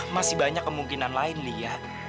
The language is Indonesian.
masih banyak kemungkinan lain lia